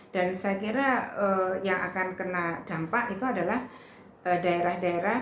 dan saya kira yang akan kena dampak itu adalah daerah daerah